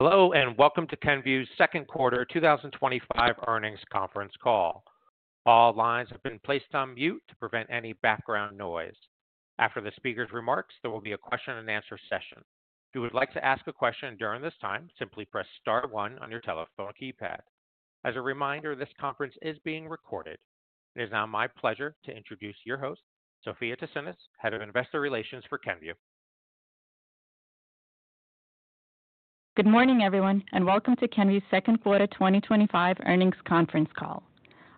Hello and welcome to Kenvue's second quarter 2025 earnings conference call. All lines have been placed on mute to prevent any background noise. After the speaker's remarks, there will be a question and answer session. If you would like to ask a question during this time, simply press star one on your telephone keypad. As a reminder, this conference is being recorded. It is now my pleasure to introduce your host, Sofya Tsinis, Head of Investor Relations for Kenvue. Good morning, everyone, and welcome to Kenvue's second quarter 2025 earnings conference call.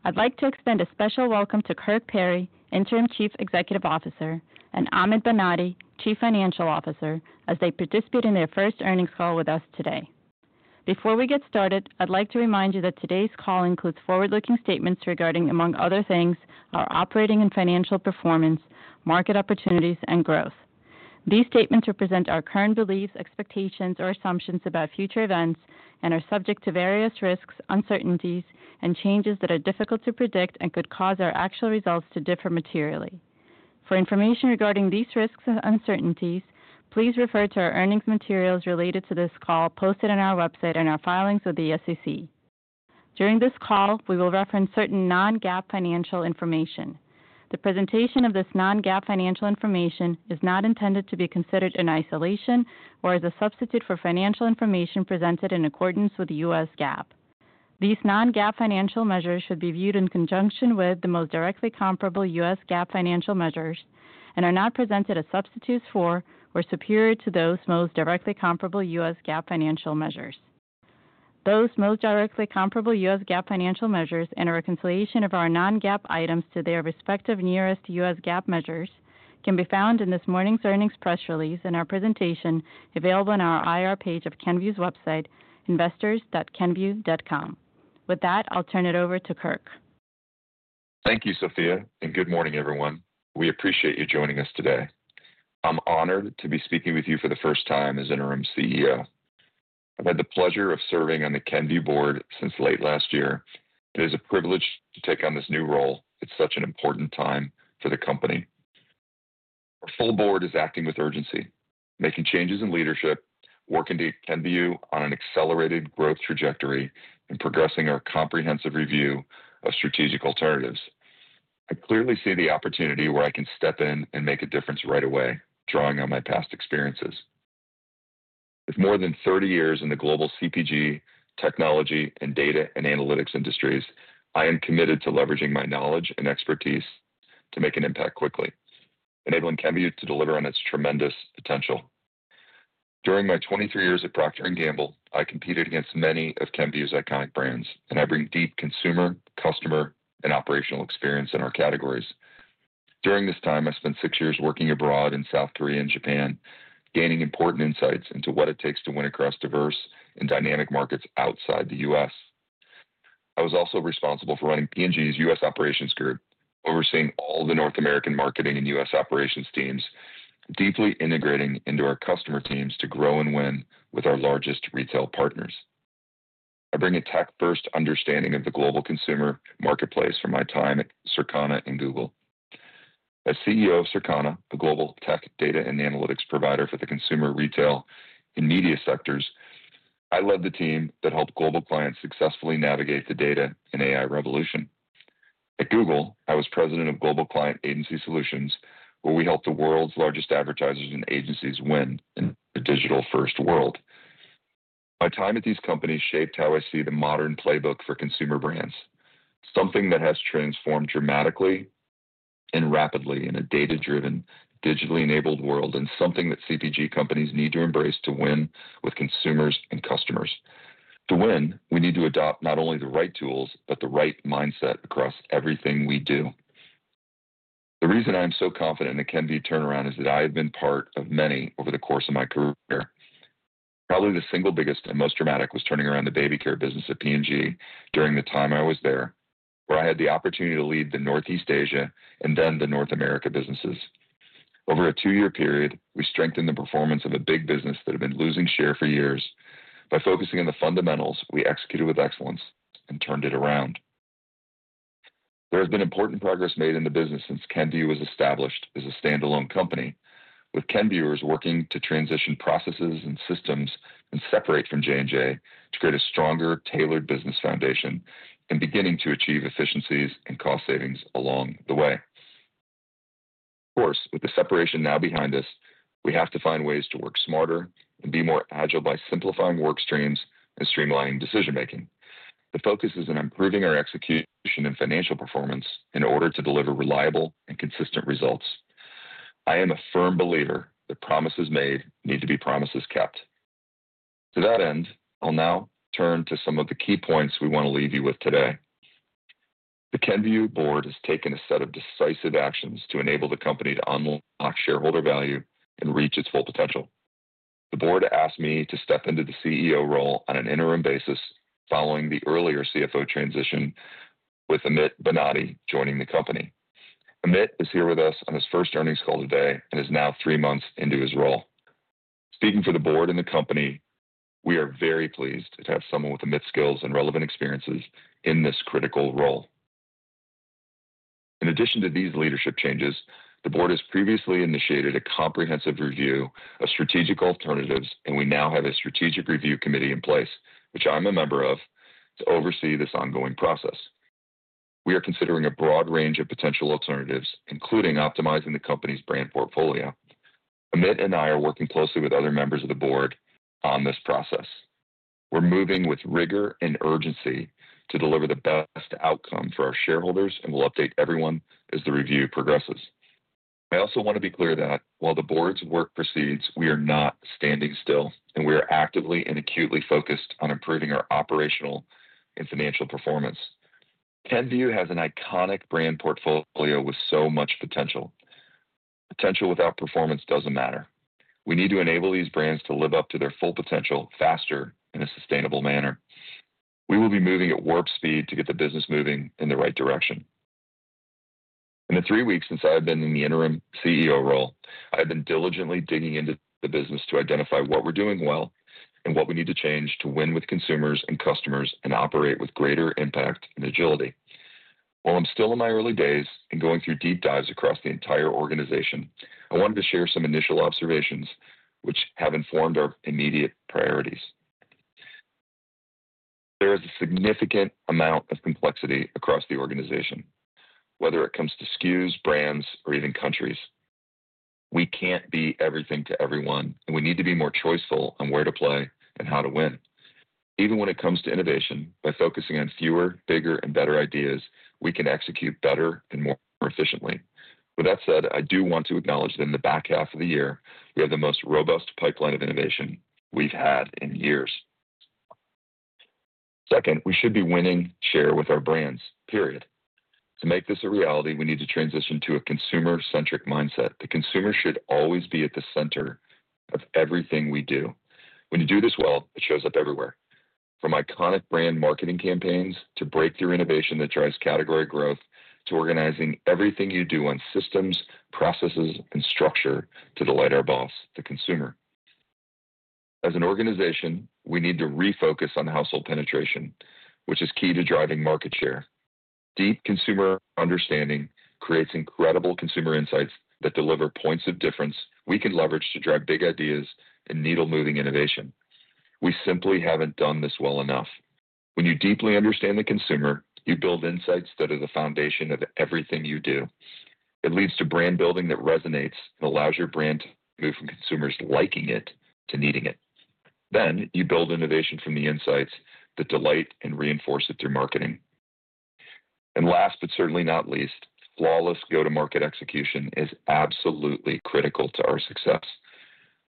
I'd like to extend a special welcome to Kirk Perry, Interim Chief Executive Officer, and Amit Banati, Chief Financial Officer, as they participate in their first earnings call with us today. Before we get started, I'd like to remind you that today's call includes forward-looking statements regarding, among other things, our operating and financial performance, market opportunities, and growth. These statements represent our current beliefs, expectations, or assumptions about future events and are subject to various risks, uncertainties, and changes that are difficult to predict and could cause our actual results to differ materially. For information regarding these risks and uncertainties, please refer to our earnings materials related to this call posted on our website and our filings with the SEC. During this call, we will reference certain non-GAAP financial information. The presentation of this non-GAAP financial information is not intended to be considered in isolation or as a substitute for financial information presented in accordance with the U.S. GAAP. These non-GAAP financial measures should be viewed in conjunction with the most directly comparable U.S. GAAP financial measures and are not presented as substitutes for or superior to those most directly comparable U.S. GAAP financial measures. Those most directly comparable U.S. GAAP financial measures and a reconciliation of our non-GAAP items to their respective nearest U.S. GAAP measures can be found in this morning's earnings press release and our presentation available on our IR page of Kenvue's website, investors.kenvue.com. With that, I'll turn it over to Kirk. Thank you, Sofya, and good morning, everyone. We appreciate you joining us today. I'm honored to be speaking with you for the first time as Interim CEO. I've had the pleasure of serving on the Kenvue board since late last year, and it is a privilege to take on this new role at such an important time for the company. Our full board is acting with urgency, making changes in leadership, working to keep Kenvue on an accelerated growth trajectory, and progressing our comprehensive review of strategic alternatives. I clearly see the opportunity where I can step in and make a difference right away, drawing on my past experiences. With more than 30 years in the global CPG, technology, and data and analytics industries, I am committed to leveraging my knowledge and expertise to make an impact quickly, enabling Kenvue to deliver on its tremendous potential. During my 23 years at Procter & Gamble, I competed against many of Kenvue's iconic brands, and I bring deep consumer, customer, and operational experience in our categories. During this time, I spent six years working abroad in South Korea and Japan, gaining important insights into what it takes to win across diverse and dynamic markets outside the U.S. I was also responsible for running P&G's U.S. operations group, overseeing all the North American marketing and U.S. operations teams, deeply integrating into our customer teams to grow and win with our largest retail partners. I bring a tech-first understanding of the global consumer marketplace from my time at Circana and Google. As CEO of Circana, a global tech data and analytics provider for the consumer, retail, and media sectors, I led the team that helped global clients successfully navigate the data and AI revolution. At Google, I was President of Global Client Agency Solutions, where we helped the world's largest advertisers and agencies win in a digital-first world. My time at these companies shaped how I see the modern playbook for consumer brands, something that has transformed dramatically and rapidly in a data-driven, digitally enabled world and something that CPG companies need to embrace to win with consumers and customers. To win, we need to adopt not only the right tools, but the right mindset across everything we do. The reason I'm so confident in the Kenvue turnaround is that I have been part of many over the course of my career. Probably the single biggest and most dramatic was turning around the baby care business at Procter & Gamble during the time I was there, where I had the opportunity to lead the Northeast Asia and then the North America businesses. Over a two-year period, we strengthened the performance of a big business that had been losing share for years. By focusing on the fundamentals, we executed with excellence and turned it around. There has been important progress made in the business since Kenvue was established as a standalone company, with Kenvuers working to transition processes and systems and separate from J&J to create a stronger, tailored business foundation and beginning to achieve efficiencies and cost savings along the way. Of course, with the separation now behind us, we have to find ways to work smarter and be more agile by simplifying work streams and streamlining decision-making. The focus is on improving our execution and financial performance in order to deliver reliable and consistent results. I am a firm believer that promises made need to be promises kept. To that end, I'll now turn to some of the key points we want to leave you with today. The Kenvue board has taken a set of decisive actions to enable the company to unlock shareholder value and reach its full potential. The board asked me to step into the CEO role on an interim basis following the earlier CFO transition, with Amit Banati joining the company. Amit is here with us on his first earnings call today and is now three months into his role. Speaking for the board and the company, we are very pleased to have someone with Amit's skills and relevant experiences in this critical role. In addition to these leadership changes, the board has previously initiated a comprehensive review of strategic alternatives, and we now have a strategic review committee in place, which I'm a member of, to oversee this ongoing process. We are considering a broad range of potential alternatives, including optimizing the company's brand portfolio. Amit and I are working closely with other members of the board on this process. We're moving with rigor and urgency to deliver the best outcome for our shareholders, and we'll update everyone as the review progresses. I also want to be clear that while the board's work proceeds, we are not standing still, and we are actively and acutely focused on improving our operational and financial performance. Kenvue has an iconic brand portfolio with so much potential. Potential without performance doesn't matter. We need to enable these brands to live up to their full potential faster in a sustainable manner. We will be moving at warp speed to get the business moving in the right direction. In the three weeks since I have been in the interim CEO role, I've been diligently digging into the business to identify what we're doing well and what we need to change to win with consumers and customers and operate with greater impact and agility. While I'm still in my early days and going through deep dives across the entire organization, I wanted to share some initial observations, which have informed our immediate priorities. There is a significant amount of complexity across the organization, whether it comes to SKUs, brands, or even countries. We can't be everything to everyone, and we need to be more choiceful on where to play and how to win. Even when it comes to innovation, by focusing on fewer, bigger, and better ideas, we can execute better and more efficiently. With that said, I do want to acknowledge that in the back half of the year, we have the most robust pipeline of innovation we've had in years. Second, we should be winning share with our brands, period. To make this a reality, we need to transition to a consumer-centric mindset. The consumer should always be at the center of everything we do. When you do this well, it shows up everywhere. From iconic brand marketing campaigns to breakthrough innovation that drives category growth, to organizing everything you do on systems, processes, and structure to delight our boss, the consumer. As an organization, we need to refocus on household penetration, which is key to driving market share. Deep consumer understanding creates incredible consumer insights that deliver points of difference we can leverage to drive big ideas and needle-moving innovation. We simply haven't done this well enough. When you deeply understand the consumer, you build insights that are the foundation of everything you do. It leads to brand building that resonates and allows your brand to move from consumers liking it to needing it. Then you build innovation from the insights that delight and reinforce it through marketing. Last but certainly not least, flawless go-to-market execution is absolutely critical to our success.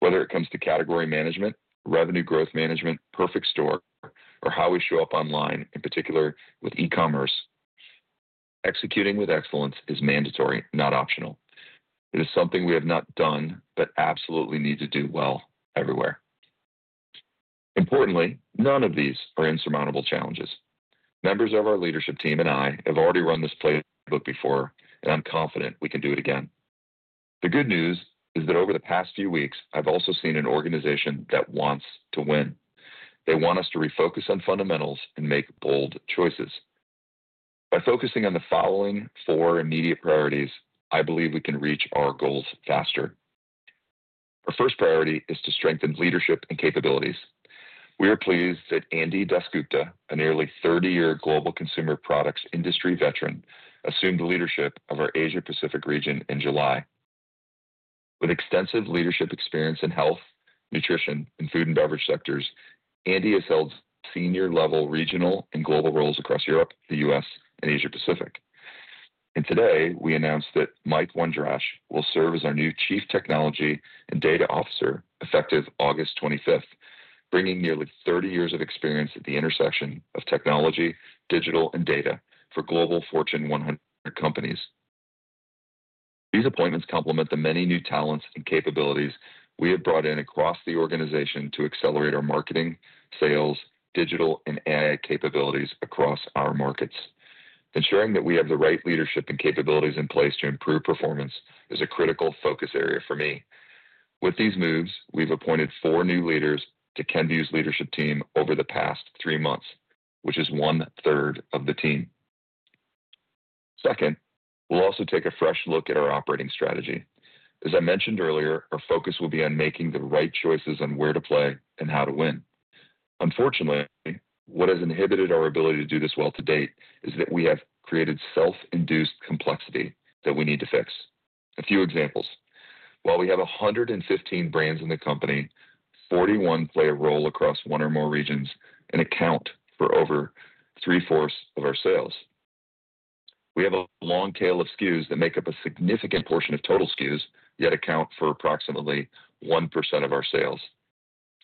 Whether it comes to category management, revenue growth management, perfect store, or how we show up online, in particular with e-commerce, executing with excellence is mandatory, not optional. It is something we have not done but absolutely need to do well everywhere. Importantly, none of these are insurmountable challenges. Members of our leadership team and I have already run this playbook before, and I'm confident we can do it again. The good news is that over the past few weeks, I've also seen an organization that wants to win. They want us to refocus on fundamentals and make bold choices. By focusing on the following four immediate priorities, I believe we can reach our goals faster. Our first priority is to strengthen leadership and capabilities. We are pleased that Andy Dasgupta, a nearly 30-year global consumer products industry veteran, assumed the leadership of our Asia-Pacific region in July. With extensive leadership experience in health, nutrition, and food and beverage sectors, Andy has held senior-level regional and global roles across Europe, the U.S., and Asia-Pacific. Today, we announced that Mike Wondrasch will serve as our new Chief Technology and Data Officer effective August 25, bringing nearly 30 years of experience at the intersection of technology, digital, and data for global Fortune 100 companies. These appointments complement the many new talents and capabilities we have brought in across the organization to accelerate our marketing, sales, digital, and AI capabilities across our markets. Ensuring that we have the right leadership and capabilities in place to improve performance is a critical focus area for me. With these moves, we've appointed four new leaders to Kenvue's leadership team over the past three months, which is one-third of the team. Second, we'll also take a fresh look at our operating strategy. As I mentioned earlier, our focus will be on making the right choices on where to play and how to win. Unfortunately, what has inhibited our ability to do this well to date is that we have created self-induced complexity that we need to fix. A few examples. While we have 115 brands in the company, 41 play a role across one or more regions and account for over three-fourths of our sales. We have a long tail of SKUs that make up a significant portion of total SKUs, yet account for approximately 1% of our sales.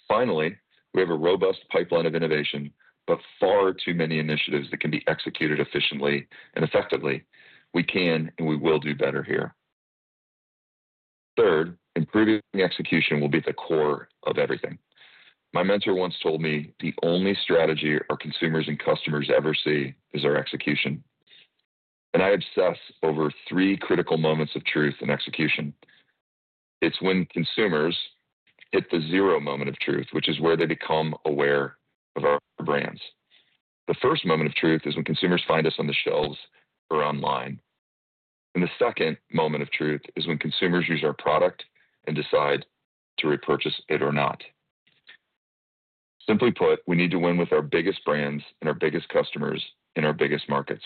Finally, we have a robust pipeline of innovation, but far too many initiatives that can be executed efficiently and effectively. We can, and we will do better here. Third, improving execution will be at the core of everything. My mentor once told me the only strategy our consumers and customers ever see is our execution. I obsess over three critical Moments of truth in execution. It's when consumers hit the zero moment of truth, which is where they become aware of our brands. The first moment of truth is when consumers find us on the shelves or online. The second moment of truth is when consumers use our product and decide to repurchase it or not. Simply put, we need to win with our biggest brands and our biggest customers in our biggest markets.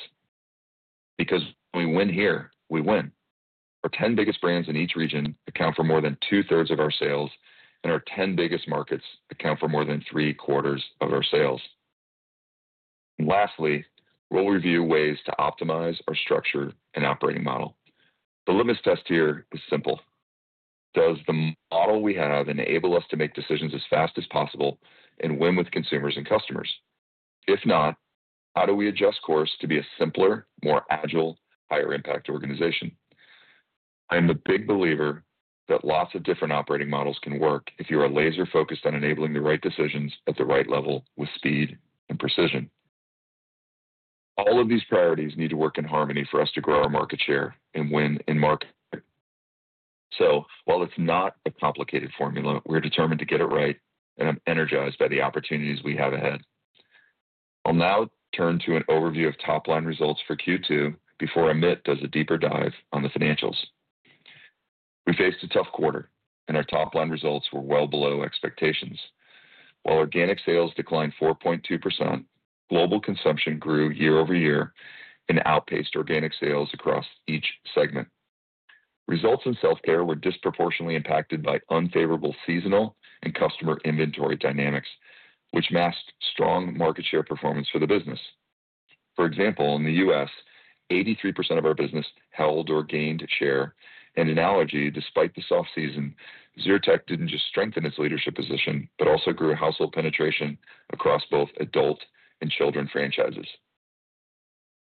Because when we win here, we win. Our 10 biggest brands in each region account for more than two-thirds of our sales, and our 10 biggest markets account for more than three-quarters of our sales. Lastly, we'll review ways to optimize our structure and operating model. The litmus test here is simple. Does the model we have enable us to make decisions as fast as possible and win with consumers and customers? If not, how do we adjust course to be a simpler, more agile, higher-impact organization? I'm a big believer that lots of different operating models can work if you are laser-focused on enabling the right decisions at the right level with speed and precision. All of these priorities need to work in harmony for us to grow our market share and win in market. While it's not a complicated formula, we're determined to get it right, and I'm energized by the opportunities we have ahead. I'll now turn to an overview of top-line results for Q2 before Amit does a deeper dive on the financials. We faced a tough quarter, and our top-line results were well below expectations. While organic sales declined 4.2%, global consumption grew year over year and outpaced organic sales across each segment. Results in self-care were disproportionately impacted by unfavorable seasonal and customer inventory dynamics, which masked strong market share performance for the business. For example, in the U.S., 83% of our business held or gained share, and in analogy, despite the soft season, Zyrtec didn't just strengthen its leadership position but also grew household penetration across both adult and children franchises.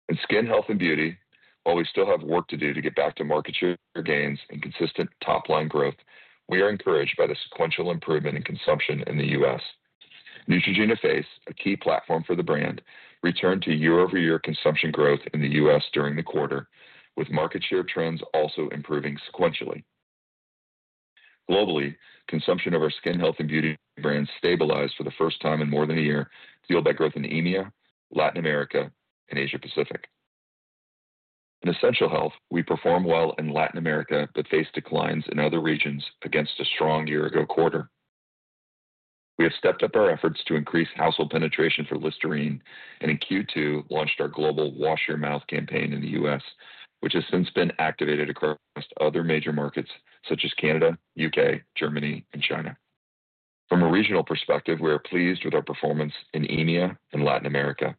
In skin, health, and beauty, while we still have work to do to get back to market share gains and consistent top-line growth, we are encouraged by the sequential improvement in consumption in the U.S. Neutrogena Face, a key platform for the brand, returned to year-over-year consumption growth in the U.S. during the quarter, with market share trends also improving sequentially. Globally, consumption of our skin, health, and beauty brands stabilized for the first time in more than a year, fueled by growth in EMEA, Latin America, and Asia-Pacific. In essential health, we perform well in Latin America but face declines in other regions against a strong year-ago quarter. We have stepped up our efforts to increase household penetration through Listerine and in Q2 launched our global Wash Your Mouth campaign in the U.S., which has since been activated across other major markets such as Canada, U.K., Germany, and China. From a regional perspective, we are pleased with our performance in EMEA and Latin America.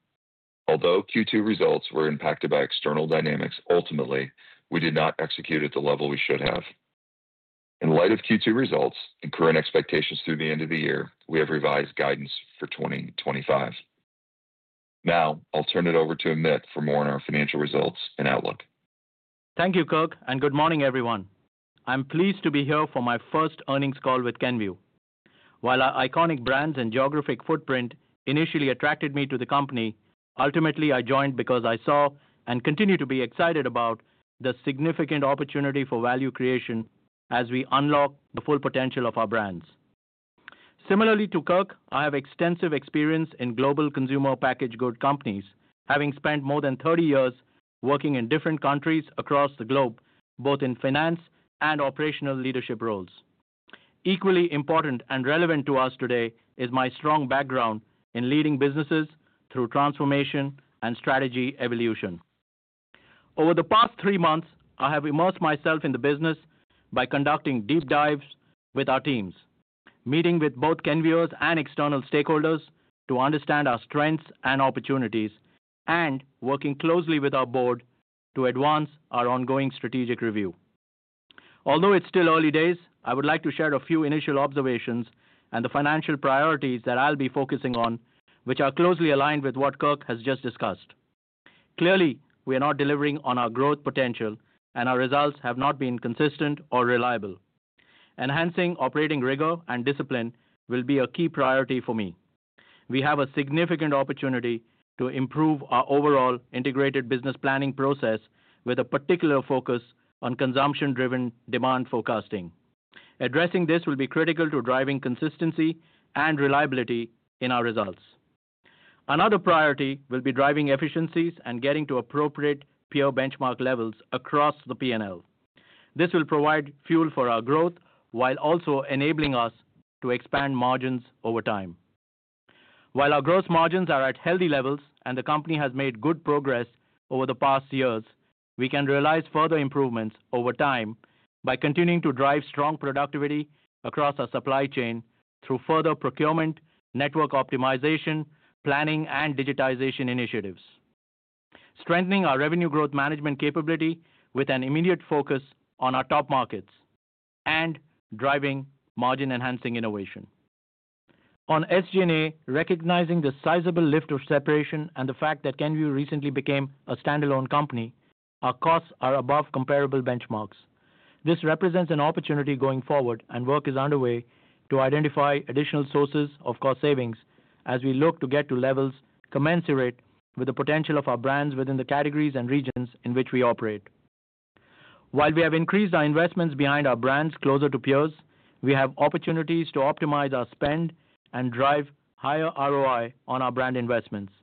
Although Q2 results were impacted by external dynamics, ultimately, we did not execute at the level we should have. In light of Q2 results and current expectations through the end of the year, we have revised guidance for 2025. Now, I'll turn it over to Amit for more on our financial results and outlook. Thank you, Kirk, and good morning, everyone. I'm pleased to be here for my first earnings call with Kenvue. While our iconic brands and geographic footprint initially attracted me to the company, ultimately, I joined because I saw and continue to be excited about the significant opportunity for value creation as we unlock the full potential of our brands. Similarly to Kirk, I have extensive experience in global consumer packaged goods companies, having spent more than 30 years working in different countries across the globe, both in finance and operational leadership roles. Equally important and relevant to us today is my strong background in leading businesses through transformation and strategy evolution. Over the past three months, I have immersed myself in the business by conducting deep dives with our teams, meeting with both Kenvuers and external stakeholders to understand our strengths and opportunities, and working closely with our board to advance our ongoing strategic review. Although it's still early days, I would like to share a few initial observations and the financial priorities that I'll be focusing on, which are closely aligned with what Kirk has just discussed. Clearly, we are not delivering on our growth potential, and our results have not been consistent or reliable. Enhancing operating rigor and discipline will be a key priority for me. We have a significant opportunity to improve our overall integrated business planning process with a particular focus on consumption-driven demand forecasting. Addressing this will be critical to driving consistency and reliability in our results. Another priority will be driving efficiencies and getting to appropriate PO benchmark levels across the P&L. This will provide fuel for our growth while also enabling us to expand margins over time. While our gross margins are at healthy levels and the company has made good progress over the past years, we can realize further improvements over time by continuing to drive strong productivity across our supply chain through further procurement, network optimization, planning, and digitization initiatives, strengthening our revenue growth management capability with an immediate focus on our top markets, and driving margin-enhancing innovation. On SG&A, recognizing the sizable lift of separation and the fact that Kenvue recently became a standalone company, our costs are above comparable benchmarks. This represents an opportunity going forward, and work is underway to identify additional sources of cost savings as we look to get to levels commensurate with the potential of our brands within the categories and regions in which we operate. While we have increased our investments behind our brands closer to peers, we have opportunities to optimize our spend and drive higher ROI on our brand investments.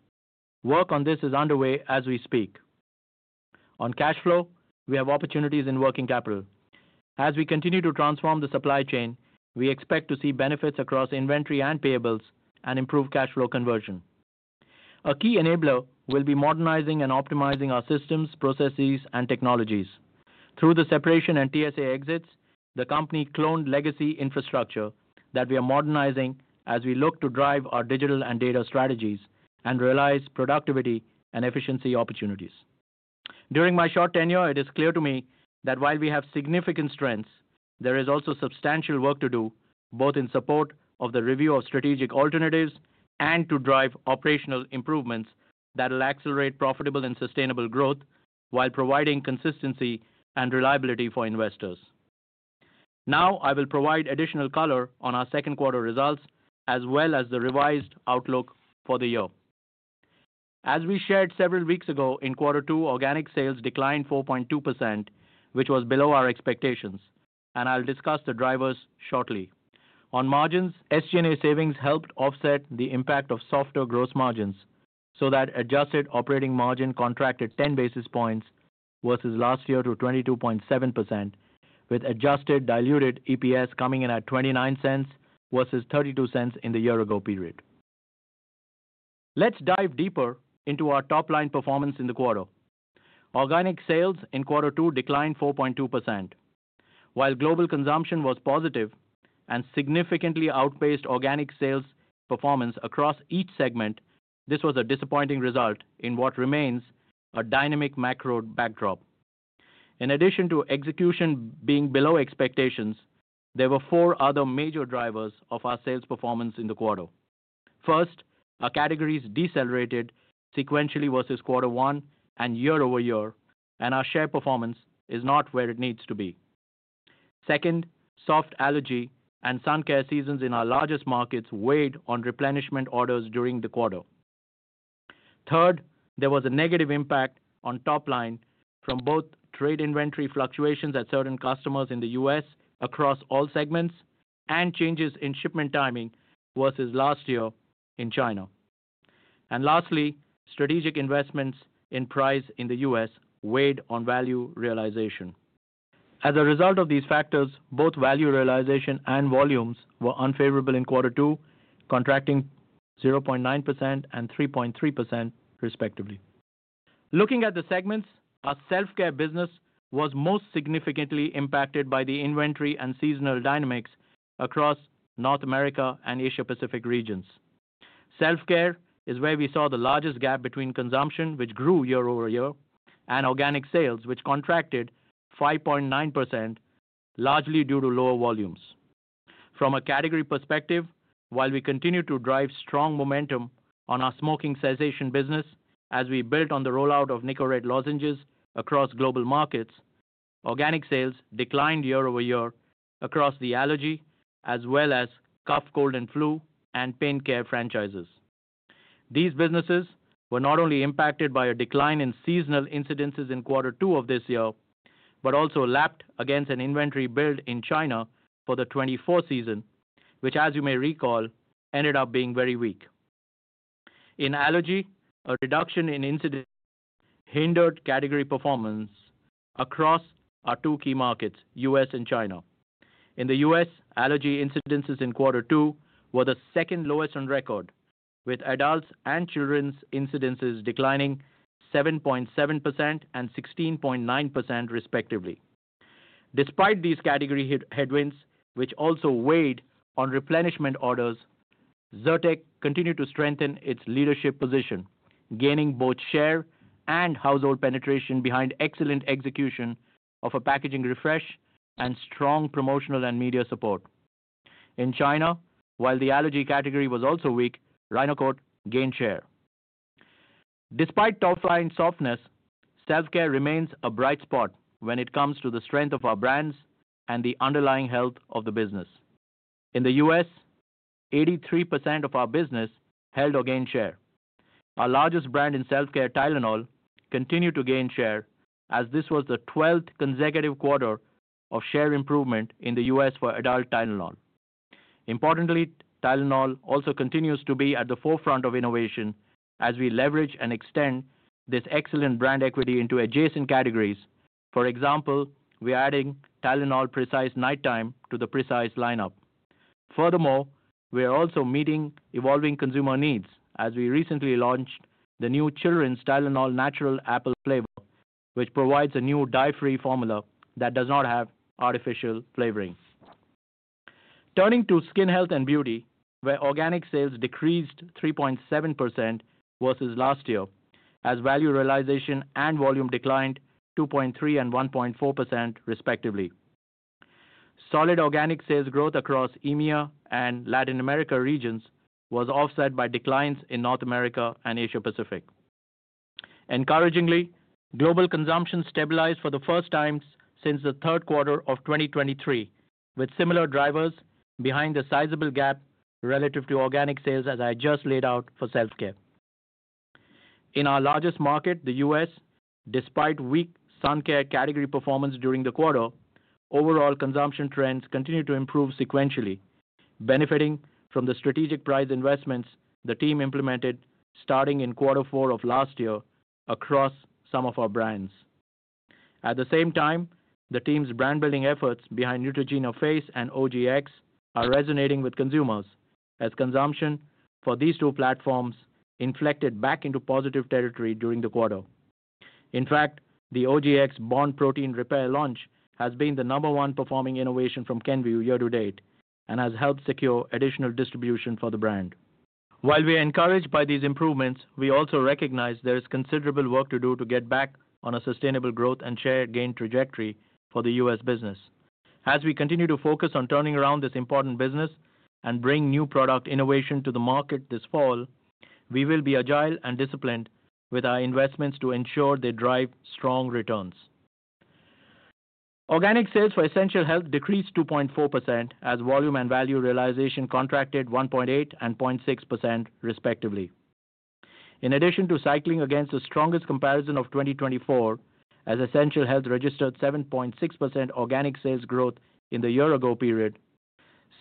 Work on this is underway as we speak. On cash flow, we have opportunities in working capital. As we continue to transform the supply chain, we expect to see benefits across inventory and payables and improve cash flow conversion. A key enabler will be modernizing and optimizing our systems, processes, and technologies. Through the separation and TSA exits, the company cloned legacy infrastructure that we are modernizing as we look to drive our digital and data strategies and realize productivity and efficiency opportunities. During my short tenure, it is clear to me that while we have significant strengths, there is also substantial work to do both in support of the review of strategic alternatives and to drive operational improvements that will accelerate profitable and sustainable growth while providing consistency and reliability for investors. Now, I will provide additional color on our second quarter results as well as the revised outlook for the year. As we shared several weeks ago, in quarter two, organic sales declined 4.2%, which was below our expectations, and I'll discuss the drivers shortly. On margins, SG&A savings helped offset the impact of softer gross margins so that adjusted operating margin contracted 10 basis points versus last year to 22.7%, with adjusted diluted EPS coming in at $0.29 versus $0.32 in the year-ago period. Let's dive deeper into our top-line performance in the quarter. Organic sales in quarter two declined 4.2%. While global consumption was positive and significantly outpaced organic sales performance across each segment, this was a disappointing result in what remains a dynamic macro backdrop. In addition to execution being below expectations, there were four other major drivers of our sales performance in the quarter. First, our categories decelerated sequentially versus quarter one and year over year, and our share performance is not where it needs to be. Second, soft allergy and sun care seasons in our largest markets weighed on replenishment orders during the quarter. Third, there was a negative impact on top-line from both trade inventory fluctuations at certain customers in the U.S. across all segments and changes in shipment timing versus last year in China. Lastly, strategic investments in price in the U.S. weighed on value realization. As a result of these factors, both value realization and volumes were unfavorable in quarter two, contracting 0.9% and 3.3% respectively. Looking at the segments, our self-care business was most significantly impacted by the inventory and seasonal dynamics across North America and Asia-Pacific regions. Self-care is where we saw the largest gap between consumption, which grew year over year, and organic sales, which contracted 5.9%, largely due to lower volumes. From a category perspective, while we continued to drive strong momentum on our smoking cessation business as we built on the rollout of Nicorette lozenges across global markets, organic sales declined year over year across the allergy as well as cough, cold, and flu, and pain care franchises. These businesses were not only impacted by a decline in seasonal incidences in quarter two of this year, but also lapped against an inventory build in China for the 2024 season, which, as you may recall, ended up being very weak. In allergy, a reduction in incidences hindered category performance across our two key markets, U.S. and China. In the U.S., allergy incidences in quarter two were the second lowest on record, with adults' and children's incidences declining 7.7% and 16.9% respectively. Despite these category headwinds, which also weighed on replenishment orders, Zyrtec continued to strengthen its leadership position, gaining both share and household penetration behind excellent execution of a packaging refresh and strong promotional and media support. In China, while the allergy category was also weak, Rhinocort gained share. Despite top-line softness, self-care remains a bright spot when it comes to the strength of our brands and the underlying health of the business. In the U.S., 83% of our business held or gained share. Our largest brand in self-care, Tylenol, continued to gain share as this was the 12th consecutive quarter of share improvement in the U.S. for adult Tylenol. Importantly, Tylenol also continues to be at the forefront of innovation as we leverage and extend this excellent brand equity into adjacent categories. For example, we are adding Tylenol Precise Nighttime to the Precise lineup. Furthermore, we are also meeting evolving consumer needs as we recently launched the new children's Tylenol Natural Apple flavor, which provides a new dye-free formula that does not have artificial flavorings. Turning to skin health and beauty, where organic sales decreased 3.7% versus last year as value realization and volume declined 2.3% and 1.4% respectively. Solid organic sales growth across EMEA and Latin America regions was offset by declines in North America and Asia-Pacific. Encouragingly, global consumption stabilized for the first time since the third quarter of 2023, with similar drivers behind the sizable gap relative to organic sales as I just laid out for self-care. In our largest market, the U.S., despite weak sun care category performance during the quarter, overall consumption trends continue to improve sequentially, benefiting from the strategic price investments the team implemented starting in quarter four of last year across some of our brands. At the same time, the team's brand-building efforts behind Neutrogena Face and OGX are resonating with consumers as consumption for these two platforms inflected back into positive territory during the quarter. In fact, the OGX Bond Protein Repair launch has been the number one performing innovation from Kenvue year to date and has helped secure additional distribution for the brand. While we are encouraged by these improvements, we also recognize there is considerable work to do to get back on a sustainable growth and share gain trajectory for the U.S. business. As we continue to focus on turning around this important business and bring new product innovation to the market this fall, we will be agile and disciplined with our investments to ensure they drive strong returns. Organic sales for essential health decreased 2.4% as volume and value realization contracted 1.8% and 0.6% respectively. In addition to cycling against the strongest comparison of 2024, as essential health registered 7.6% organic sales growth in the year-ago period,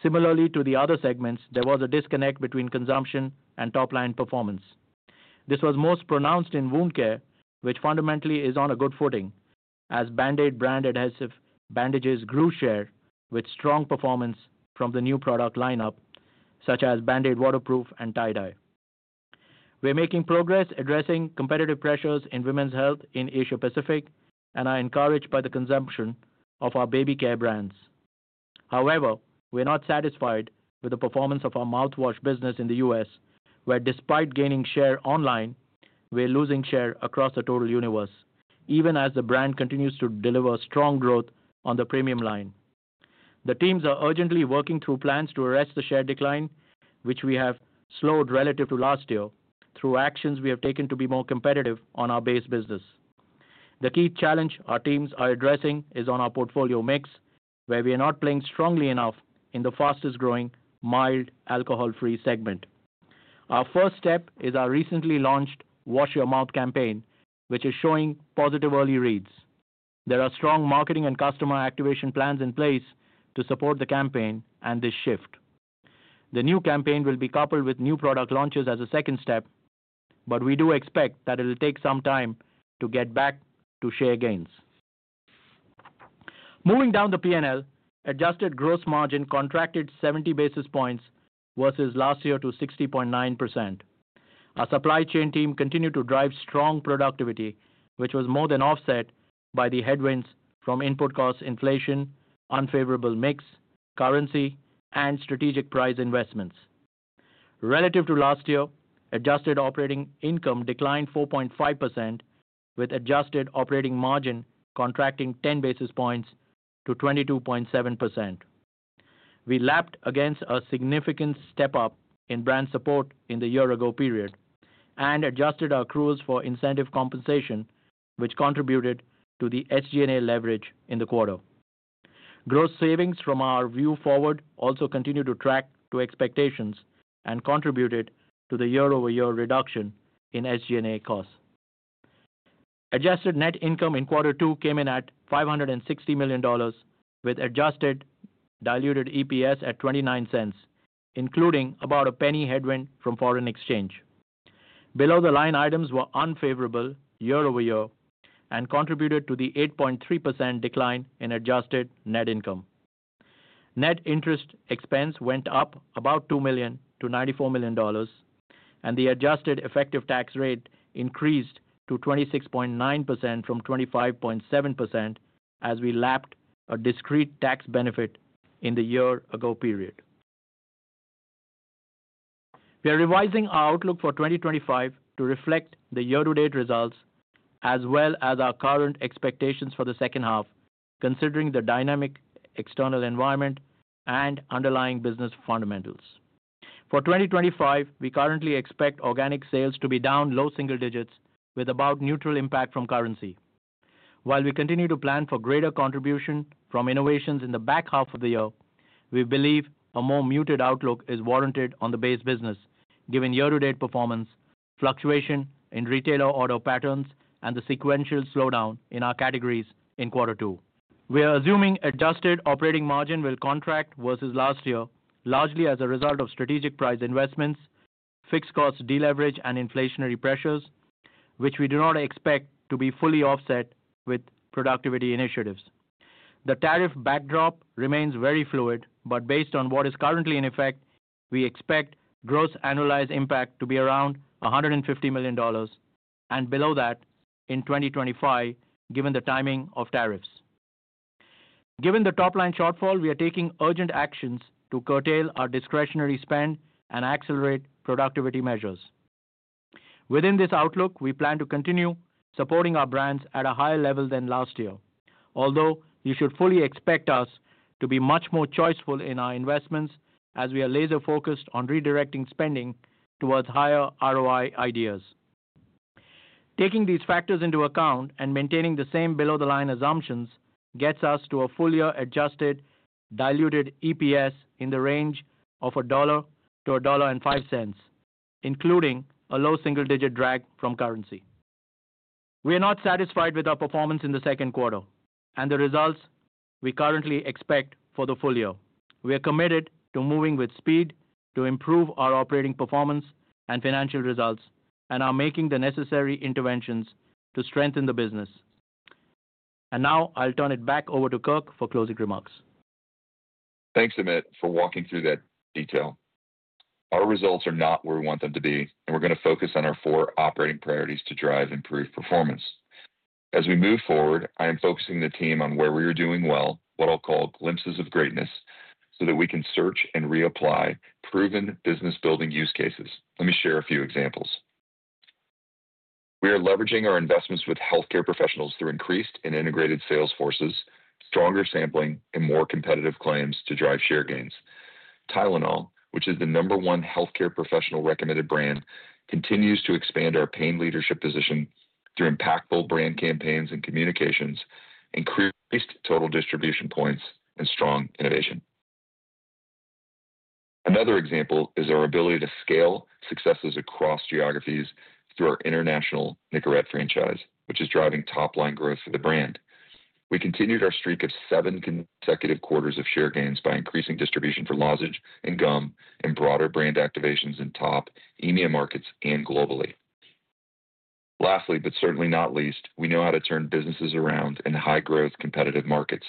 similarly to the other segments, there was a disconnect between consumption and top-line performance. This was most pronounced in wound care, which fundamentally is on a good footing, as Band-Aid brand adhesive bandages grew share with strong performance from the new product lineup, such as Band-Aid Waterproof and Tie-Dye. We're making progress addressing competitive pressures in women's health in Asia-Pacific and are encouraged by the consumption of our baby care brands. However, we're not satisfied with the performance of our mouthwash business in the U.S., where despite gaining share online, we're losing share across the total universe, even as the brand continues to deliver strong growth on the premium line. The teams are urgently working through plans to arrest the share decline, which we have slowed relative to last year through actions we have taken to be more competitive on our base business. The key challenge our teams are addressing is on our portfolio mix, where we are not playing strongly enough in the fastest-growing mild alcohol-free segment. Our first step is our recently launched Wash Your Mouth campaign, which is showing positive early reads. There are strong marketing and customer activation plans in place to support the campaign and this shift. The new campaign will be coupled with new product launches as a second step, but we do expect that it will take some time to get back to share gains. Moving down the P&L, adjusted gross margin contracted 70 basis points versus last year to 60.9%. Our supply chain team continued to drive strong productivity, which was more than offset by the headwinds from input costs, inflation, unfavorable mix, currency, and strategic price investments. Relative to last year, adjusted operating income declined 4.5%, with adjusted operating margin contracting 10 basis points to 22.7%. We lapped against a significant step up in brand support in the year-ago period and adjusted our accruals for incentive compensation, which contributed to the SG&A leverage in the quarter. Gross savings from our View Forward also continued to track to expectations and contributed to the year-over-year reduction in SG&A costs. Adjusted net income in quarter two came in at $560 million, with adjusted diluted EPS at $0.29, including about a $0.01 headwind from foreign exchange. Below-the-line items were unfavorable year over year and contributed to the 8.3% decline in adjusted net income. Net interest expense went up about $2 million to $94 million, and the adjusted effective tax rate increased to 26.9% from 25.7% as we lapped a discrete tax benefit in the year-ago period. We are revising our outlook for 2025 to reflect the year-to-date results as well as our current expectations for the second half, considering the dynamic external environment and underlying business fundamentals. For 2025, we currently expect organic sales to be down low single digits with about neutral impact from currency. While we continue to plan for greater contribution from innovations in the back half of the year, we believe a more muted outlook is warranted on the base business, given year-to-date performance, fluctuation in retailer order patterns, and the sequential slowdown in our categories in quarter two. We are assuming adjusted operating margin will contract versus last year, largely as a result of strategic price investments, fixed cost deleverage, and inflationary pressures, which we do not expect to be fully offset with productivity initiatives. The tariff backdrop remains very fluid, but based on what is currently in effect, we expect gross annualized impact to be around $150 million, and below that in 2025, given the timing of tariffs. Given the top-line shortfall, we are taking urgent actions to curtail our discretionary spend and accelerate productivity measures. Within this outlook, we plan to continue supporting our brands at a higher level than last year, although you should fully expect us to be much more choiceful in our investments as we are laser-focused on redirecting spending towards higher ROI ideas. Taking these factors into account and maintaining the same below-the-line assumptions gets us to a full-year adjusted diluted EPS in the range of $1 to $1.05, including a low single-digit drag from currency. We are not satisfied with our performance in the second quarter and the results we currently expect for the full year. We are committed to moving with speed to improve our operating performance and financial results and are making the necessary interventions to strengthen the business. Now I'll turn it back over to Kirk for closing remarks. Thanks, Amit, for walking through that detail. Our results are not where we want them to be, and we are going to focus on our four operating priorities to drive improved performance. As we move forward, I am focusing the team on where we are doing well, what I'll call glimpses of greatness, so that we can search and reapply proven business-building use cases. Let me share a few examples. We are leveraging our investments with healthcare professionals through increased and integrated sales forces, stronger sampling, and more competitive claims to drive share gains. Tylenol, which is the number one healthcare professional recommended brand, continues to expand our pain leadership position through impactful brand campaigns and communications, increased total distribution points, and strong innovation. Another example is our ability to scale successes across geographies through our international Nicorette franchise, which is driving top-line growth for the brand. We continued our streak of seven consecutive quarters of share gains by increasing distribution for lozenge and gum and broader brand activations in top EMEA markets and globally. Lastly, but certainly not least, we know how to turn businesses around in high-growth competitive markets.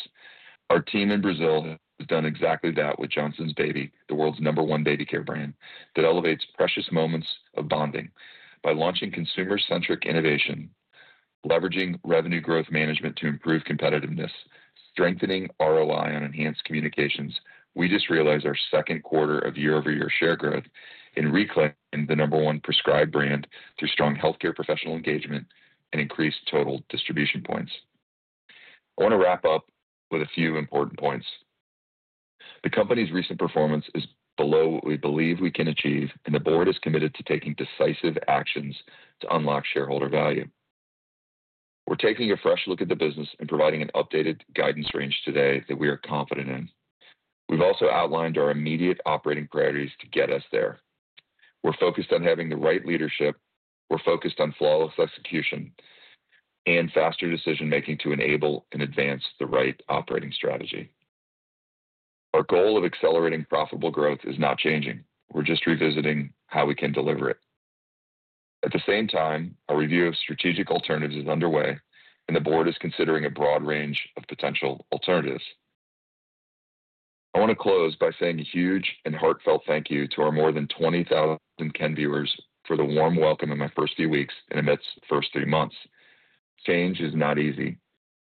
Our team in Brazil has done exactly that with Johnson's Baby, the world's number one baby care brand, that elevates precious moments of bonding by launching consumer-centric innovation, leveraging revenue growth management to improve competitiveness, strengthening ROI, and enhanced communications. We just realized our second quarter of year-over-year share growth in Reclick, the number one prescribed brand, through strong healthcare professional engagement and increased total distribution points. I want to wrap up with a few important points. The company's recent performance is below what we believe we can achieve, and the board is committed to taking decisive actions to unlock shareholder value. We are taking a fresh look at the business and providing an updated guidance range today that we are confident in. We have also outlined our immediate operating priorities to get us there. We are focused on having the right leadership. We are focused on flawless execution and faster decision-making to enable and advance the right operating strategy. Our goal of accelerating profitable growth is not changing. We are just revisiting how we can deliver it. At the same time, our review of strategic alternatives is underway, and the board is considering a broad range of potential alternatives. I want to close by saying a huge and heartfelt thank you to our more than 20,000 Kenvuers for the warm welcome in my first few weeks and Amit's first three months. Change is not easy,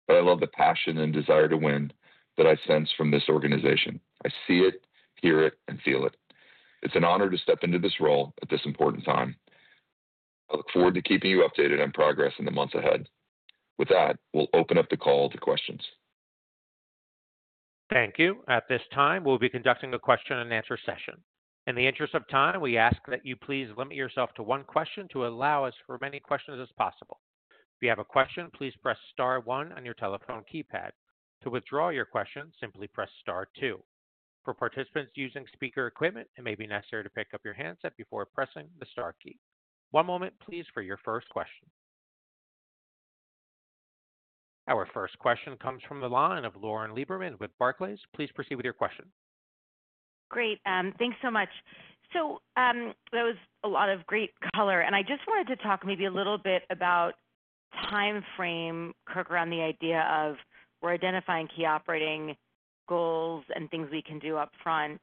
but I love the passion and desire to win that I sense from this organization. I see it, hear it, and feel it. It is an honor to step into this role at this important time. I look forward to keeping you updated on progress in the months ahead. With that, we will open up the call to questions. Thank you. At this time, we'll be conducting a question and answer session. In the interest of time, we ask that you please limit yourself to one question to allow us for as many questions as possible. If you have a question, please press star one on your telephone keypad. To withdraw your question, simply press star two. For participants using speaker equipment, it may be necessary to pick up your handset before pressing the star key. One moment, please, for your first question. Our first question comes from the line of Lauren Rae Lieberman with Barclays. Please proceed with your question. Great, thanks so much. That was a lot of great color. I just wanted to talk maybe a little bit about the time frame, Kirk, around the idea of we're identifying key operating goals and things we can do up front,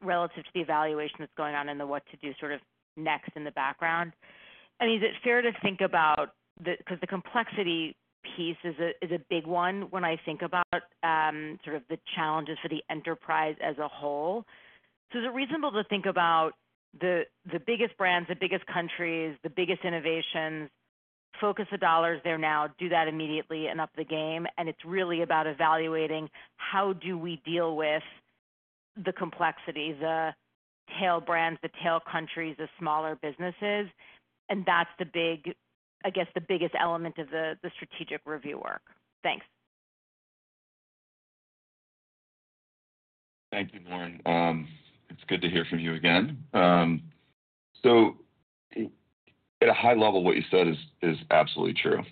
relative to the evaluation that's going on and what to do next in the background. I mean, is it fair to think about the, because the complexity piece is a big one when I think about the challenges for the enterprise as a whole. Is it reasonable to think about the biggest brands, the biggest countries, the biggest innovations, focus the dollars there now, do that immediately, and up the game? It's really about evaluating how do we deal with the complexity, the tail brands, the tail countries, the smaller businesses. That's the biggest element of the strategic review work. Thanks. Thank you, Lauren. It's good to hear from you again. At a high level, what you said is absolutely true.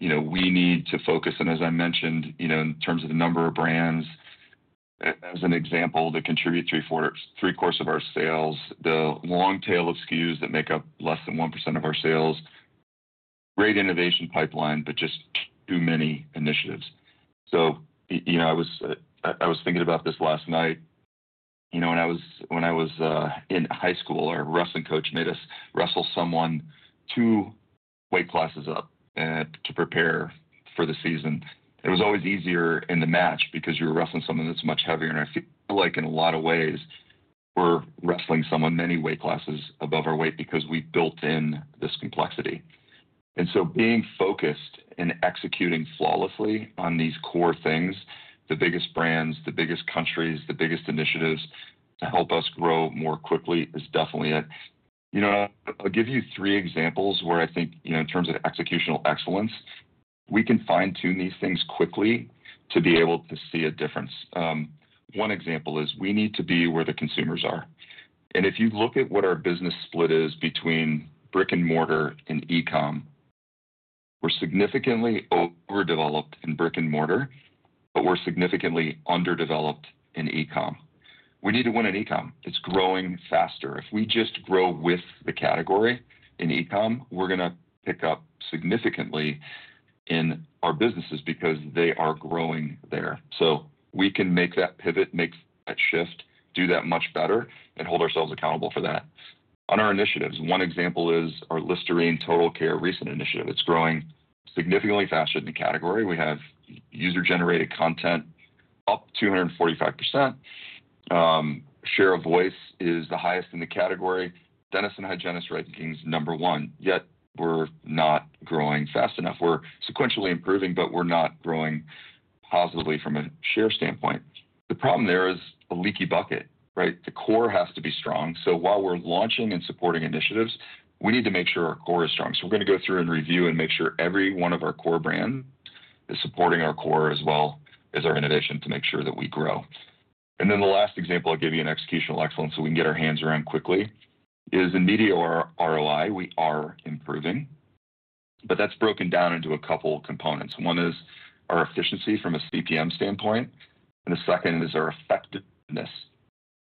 You know, we need to focus, and as I mentioned, in terms of the number of brands, as an example, that contribute to three-quarters of our sales, the long tail of SKUs that make up less than 1% of our sales, great innovation pipeline, but just too many initiatives. I was thinking about this last night. When I was in high school, our wrestling coach made us wrestle someone two weight classes up to prepare for the season. It was always easier in the match because you're wrestling someone that's much heavier. I feel like in a lot of ways, we're wrestling someone many weight classes above our weight because we've built in this complexity. Being focused and executing flawlessly on these core things, the biggest brands, the biggest countries, the biggest initiatives to help us grow more quickly is definitely it. I'll give you three examples where I think, in terms of executional excellence, we can fine-tune these things quickly to be able to see a difference. One example is we need to be where the consumers are. If you look at what our business split is between brick and mortar and e-com, we're significantly overdeveloped in brick and mortar, but we're significantly underdeveloped in e-com. We need to win in e-com. It's growing faster. If we just grow with the category in e-com, we're going to pick up significantly in our businesses because they are growing there. We can make that pivot, make that shift, do that much better, and hold ourselves accountable for that. On our initiatives, one example is our Listerine Total Care recent initiative. It's growing significantly faster than the category. We have user-generated content up 245%. Share of voice is the highest in the category. Dentist and hygienist rankings number one, yet we're not growing fast enough. We're sequentially improving, but we're not growing positively from a share standpoint. The problem there is a leaky bucket, right? The core has to be strong. While we're launching and supporting initiatives, we need to make sure our core is strong. We're going to go through and review and make sure every one of our core brands is supporting our core as well as our innovation to make sure that we grow. The last example I'll give you in executional excellence so we can get our hands around quickly is in media ROI. We are improving, but that's broken down into a couple of components. One is our efficiency from a CPM standpoint, and the second is our effectiveness.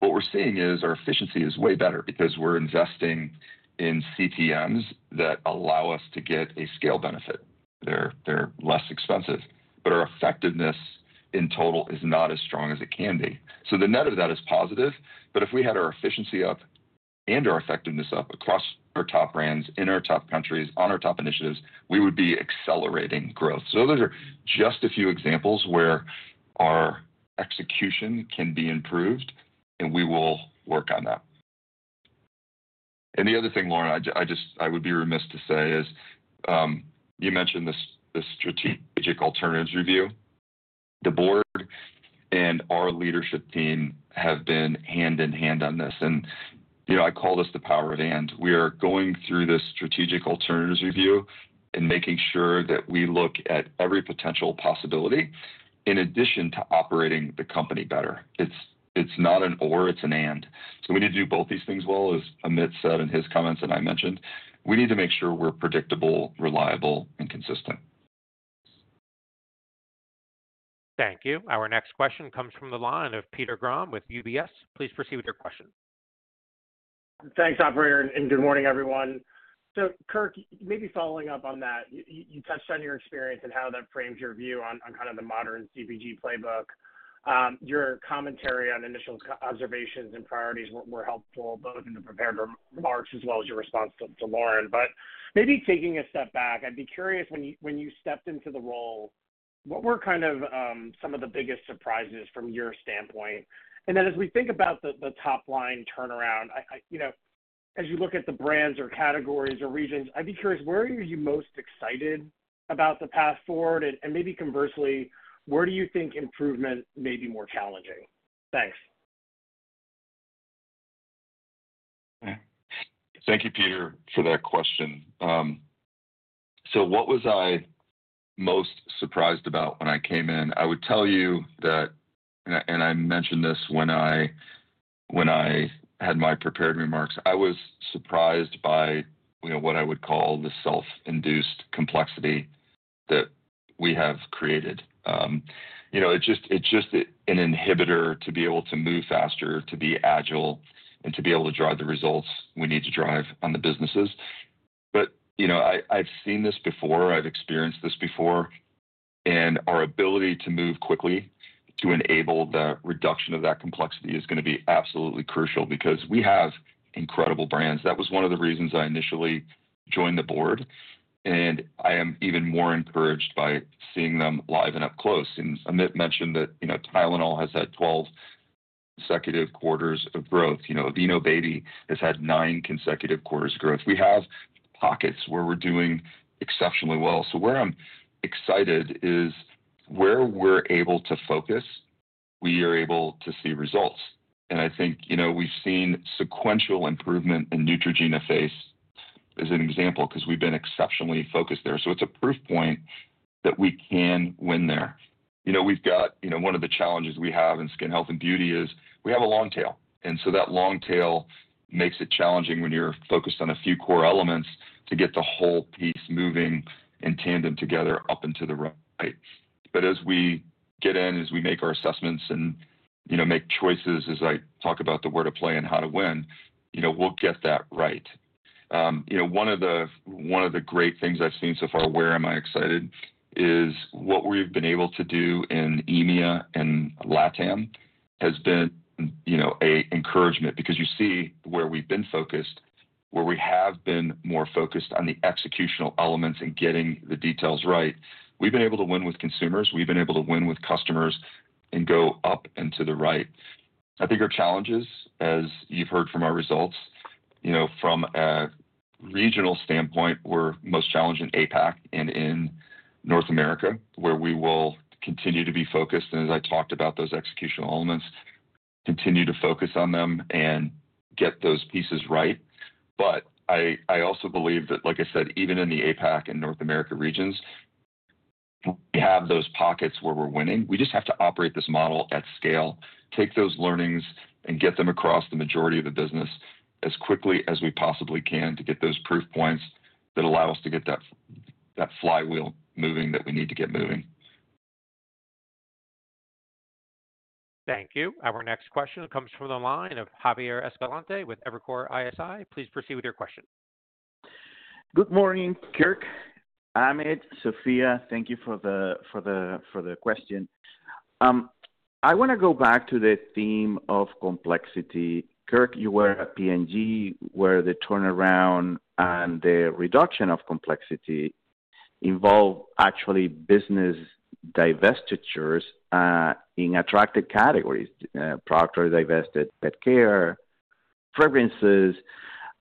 What we're seeing is our efficiency is way better because we're investing in CPMs that allow us to get a scale benefit. They're less expensive, but our effectiveness in total is not as strong as it can be. The net of that is positive, but if we had our efficiency up and our effectiveness up across our top brands, in our top countries, on our top initiatives, we would be accelerating growth. Those are just a few examples where our execution can be improved, and we will work on that. The other thing, Lauren, I would be remiss to say is, you mentioned the strategic alternatives review. The board and our leadership team have been hand in hand on this, and I call this the power of and. We are going through this strategic alternatives review and making sure that we look at every potential possibility in addition to operating the company better. It's not an or, it's an and. We need to do both these things well, as Amit said in his comments and I mentioned. We need to make sure we're predictable, reliable, and consistent. Thank you. Our next question comes from the line of Peter K. Grom with UBS. Please proceed with your question. Thanks, operator, and good morning, everyone. Kirk, maybe following up on that, you touched on your experience and how that frames your view on kind of the modern CPG playbook. Your commentary on initial observations and priorities were helpful, both in the prepared remarks as well as your response to Lauren. Maybe taking a step back, I'd be curious when you stepped into the role, what were kind of some of the biggest surprises from your standpoint? As we think about the top-line turnaround, as you look at the brands or categories or regions, I'd be curious, where are you most excited about the path forward? Conversely, where do you think improvement may be more challenging? Thanks. Thank you, Peter, for that question. What was I most surprised about when I came in? I would tell you that, and I mentioned this when I had my prepared remarks, I was surprised by what I would call the self-induced complexity that we have created. It's just an inhibitor to be able to move faster, to be agile, and to be able to drive the results we need to drive on the businesses. I've seen this before, I've experienced this before, and our ability to move quickly to enable the reduction of that complexity is going to be absolutely crucial because we have incredible brands. That was one of the reasons I initially joined the board, and I am even more encouraged by seeing them live and up close. Amit mentioned that Tylenol has had 12 consecutive quarters of growth. Aveeno Baby has had nine consecutive quarters of growth. We have pockets where we're doing exceptionally well. Where I'm excited is where we're able to focus, we are able to see results. I think we've seen sequential improvement in Neutrogena Face as an example because we've been exceptionally focused there. It's a proof point that we can win there. One of the challenges we have in skin, health, and beauty is we have a long tail. That long tail makes it challenging when you're focused on a few core elements to get the whole piece moving in tandem together up into the right. As we get in, as we make our assessments and make choices, as I talk about the word of play and how to win, we'll get that right. One of the great things I've seen so far, where am I excited, is what we've been able to do in EMEA and LATAM has been an encouragement because you see where we've been focused, where we have been more focused on the executional elements and getting the details right. We've been able to win with consumers. We've been able to win with customers and go up into the right. I think our challenges, as you've heard from our results, from a regional standpoint, we're most challenged in APAC and in North America, where we will continue to be focused. As I talked about those executional elements, continue to focus on them and get those pieces right. I also believe that, like I said, even in the APAC and North America regions, we have those pockets where we're winning. We just have to operate this model at scale, take those learnings, and get them across the majority of the business as quickly as we possibly can to get those proof points that allow us to get that flywheel moving that we need to get moving. Thank you. Our next question comes from the line of Javier Escalante with Evercore ISI. Please proceed with your question. Good morning, Kirk. Amit, Sofya, thank you for the question. I want to go back to the theme of complexity. Kirk, you were at Procter & Gamble, where the turnaround and the reduction of complexity involved actually business divestitures in attractive categories: products that are divested, pet care, fragrances.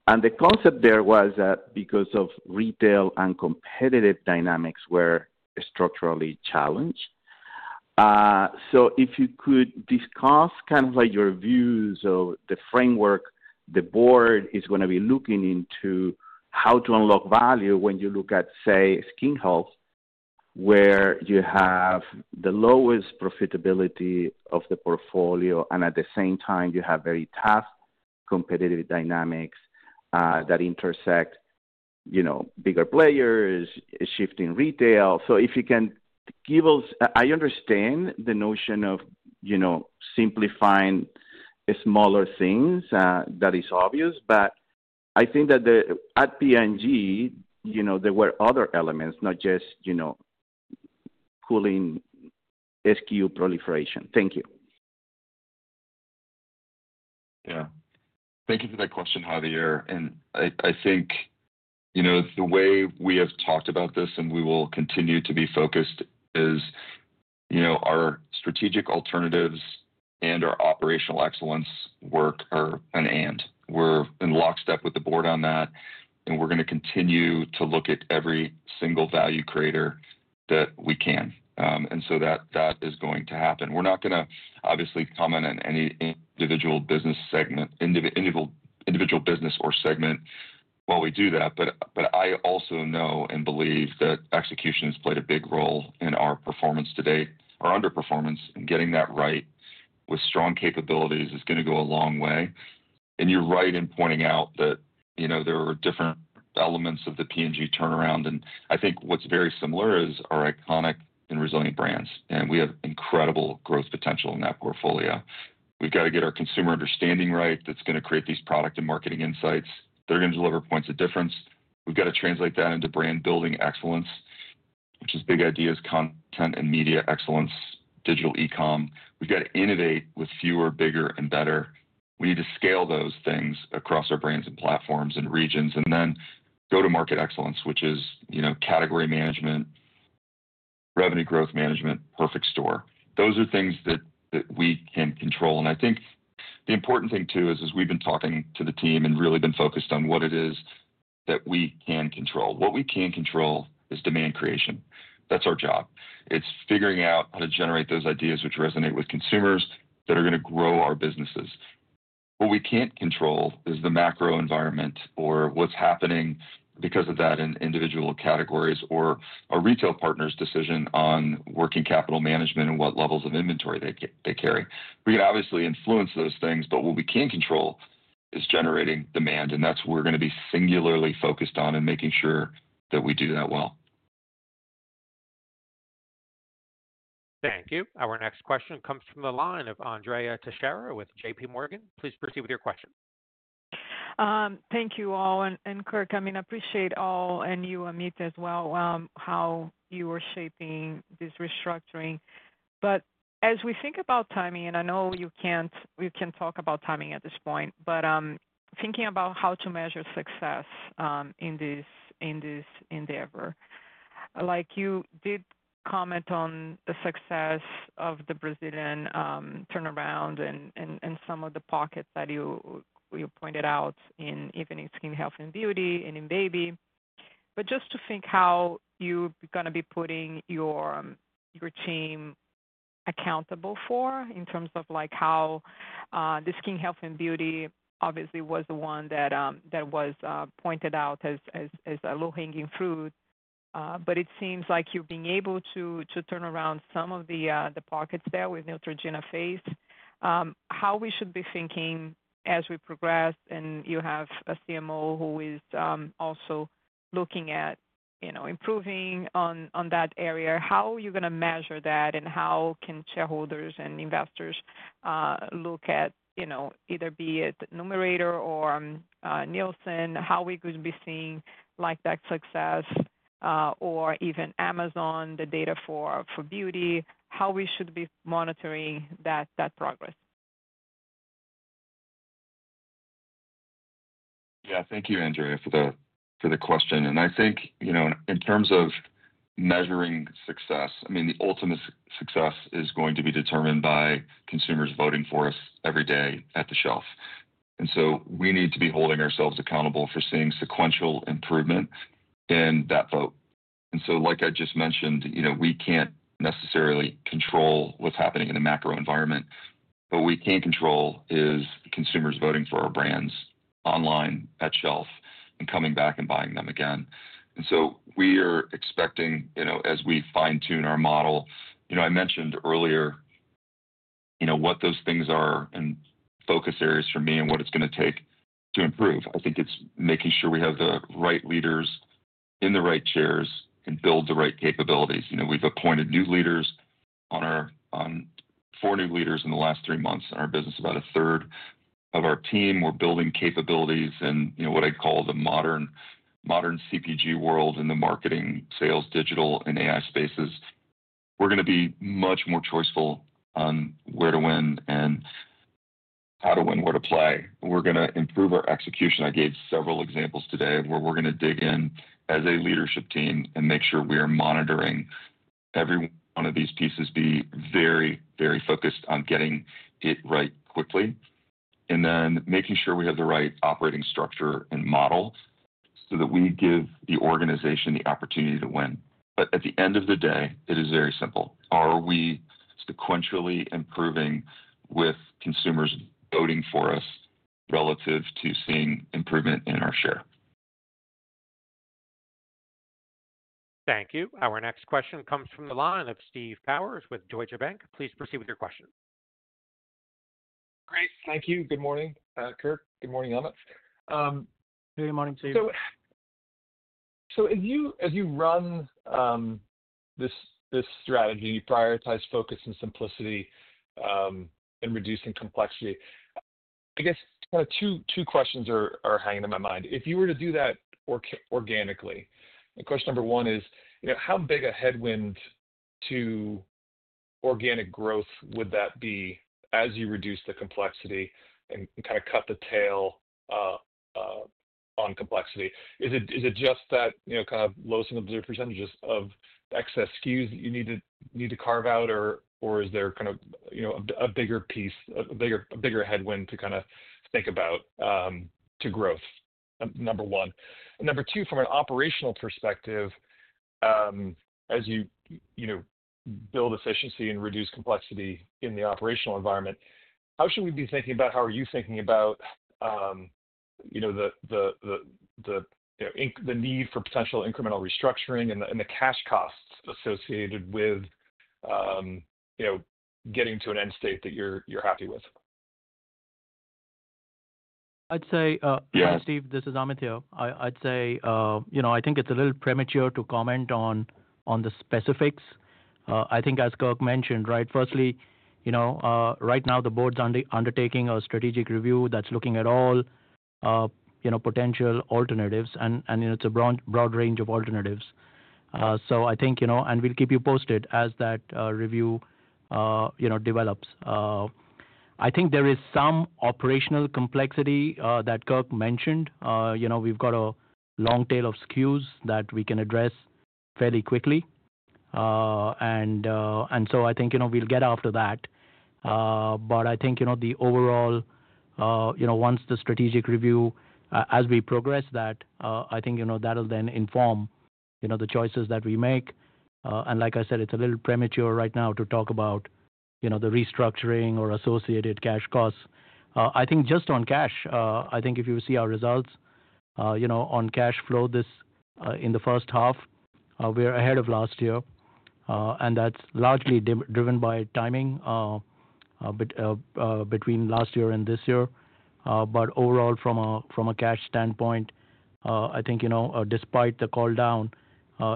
The concept there was that because of retail and competitive dynamics, they were structurally challenged. If you could discuss your views of the framework the board is going to be looking into, how to unlock value when you look at, say, skin health, where you have the lowest profitability of the portfolio and at the same time you have very tough competitive dynamics that intersect, bigger players, shifting retail. If you can give us, I understand the notion of simplifying smaller things, that is obvious, but I think that at Procter & Gamble, there were other elements, not just cooling SKU proliferation. Thank you. Thank you for that question, Javier. I think the way we have talked about this and we will continue to be focused is our strategic alternatives and our operational excellence work are an and. We're in lockstep with the board on that, and we're going to continue to look at every single value creator that we can. That is going to happen. We're not going to obviously comment on any individual business or segment while we do that. I also know and believe that execution has played a big role in our performance today, our underperformance, and getting that right with strong capabilities is going to go a long way. You're right in pointing out that there are different elements of the P&G turnaround. I think what's very similar is our iconic and resilient brands, and we have incredible growth potential in that portfolio. We've got to get our consumer understanding right. That's going to create these product and marketing insights. They're going to deliver points of difference. We've got to translate that into brand building excellence, which is big ideas, content, and media excellence, digital e-com. We've got to innovate with fewer, bigger, and better. We need to scale those things across our brands and platforms and regions, and then go to market excellence, which is category management, revenue growth management, perfect store. Those are things that we can control. I think the important thing too is, as we've been talking to the team and really been focused on what it is that we can control. What we can control is demand creation. That's our job. It's figuring out how to generate those ideas which resonate with consumers that are going to grow our businesses. What we can't control is the macro environment or what's happening because of that in individual categories or a retail partner's decision on working capital management and what levels of inventory they carry. We can obviously influence those things, but what we can control is generating demand, and that's where we're going to be singularly focused on and making sure that we do that well. Thank you. Our next question comes from the line of Andrea Teixeira with JPMorgan. Please proceed with your question. Thank you all. Kirk, I appreciate all, and you, Amit, as well, how you are shaping this restructuring. As we think about timing, and I know you can't talk about timing at this point, thinking about how to measure success in this endeavor, you did comment on the success of the Brazilian turnaround and some of the pockets that you pointed out even in skin health and beauty and in baby. Just to think how you're going to be putting your team accountable for in terms of how the skin health and beauty obviously was the one that was pointed out as a low-hanging fruit. It seems like you've been able to turn around some of the pockets there with Neutrogena Face. How we should be thinking as we progress, and you have a CMO who is also looking at improving on that area. How are you going to measure that, and how can shareholders and investors look at, either be it Numerator or Nielsen? How are we going to be seeing that success or even Amazon, the data for beauty? How we should be monitoring that progress? Thank you, Andrea, for the question. I think, in terms of measuring success, the ultimate success is going to be determined by consumers voting for us every day at the shelf. We need to be holding ourselves accountable for seeing sequential improvement in that vote. Like I just mentioned, we can't necessarily control what's happening in a macro environment. What we can control is consumers voting for our brands online, at shelf, and coming back and buying them again. We are expecting, as we fine-tune our model, I mentioned earlier what those things are and focus areas for me and what it's going to take to improve. I think it's making sure we have the right leaders in the right chairs and build the right capabilities. We've appointed four new leaders in the last three months in our business. About a third of our team, we're building capabilities in what I call the modern CPG world in the marketing, sales, digital, and AI spaces. We're going to be much more choiceful on where to win and how to win, where to play. We're going to improve our execution. I gave several examples today where we're going to dig in as a leadership team and make sure we are monitoring every one of these pieces, be very, very focused on getting it right quickly, and then making sure we have the right operating structure and model so that we give the organization the opportunity to win. At the end of the day, it is very simple. Are we sequentially improving with consumers voting for us relative to seeing improvement in our share? Thank you. Our next question comes from the line of Stephen Powers with Deutsche Bank. Please proceed with your question. Great. Thank you. Good morning, Kirk. Good morning, Amit. Good morning to you. As you run this strategy, prioritize focus and simplicity in reducing complexity. I guess kind of two questions are hanging in my mind. If you were to do that organically, question number one is, how big a headwind to organic growth would that be as you reduce the complexity and kind of cut the tail on complexity? Is it just that low single-digit % of excess SKUs that you need to carve out, or is there a bigger piece, a bigger headwind to think about to growth, number one? Number two, from an operational perspective, as you build efficiency and reduce complexity in the operational environment, how should we be thinking about, how are you thinking about the need for potential incremental restructuring and the cash costs associated with getting to an end state that you're happy with? I'd say, yeah, Steve, this is Amit here. I'd say, you know, I think it's a little premature to comment on the specifics. I think, as Kirk mentioned, right, firstly, you know, right now the board's undertaking a strategic review that's looking at all, you know, potential alternatives, and it's a broad range of alternatives. I think, you know, we'll keep you posted as that review develops. I think there is some operational complexity that Kirk mentioned. We've got a long tail of SKUs that we can address fairly quickly, and I think we'll get after that. I think, you know, the overall, you know, once the strategic review, as we progress that, I think that'll then inform the choices that we make. Like I said, it's a little premature right now to talk about the restructuring or associated cash costs. I think just on cash, I think if you see our results on cash flow in the first half, we're ahead of last year, and that's largely driven by timing between last year and this year. Overall, from a cash standpoint, I think, you know, despite the call down